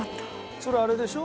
それあれでしょ？